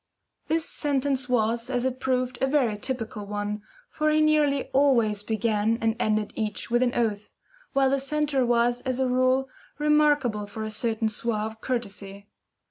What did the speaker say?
This sentence was, as it proved, a very typical one, for he nearly always began and ended each with an oath, while the centre was, as a rule, remarkable for a certain suave courtesy.